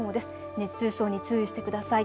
熱中症に注意してください。